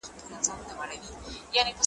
چي لا څومره د اسمان زړه ورته ډک دی ,